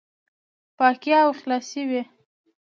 پاکي او خلاصي وي،